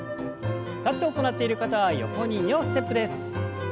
立って行っている方は横に２歩ステップです。